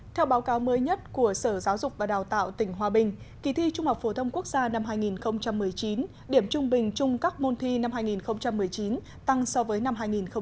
theo báo cáo mới nhất của sở giáo dục và đào tạo tỉnh hòa bình kỳ thi trung học phổ thông quốc gia năm hai nghìn một mươi chín điểm trung bình chung các môn thi năm hai nghìn một mươi chín tăng so với năm hai nghìn một mươi tám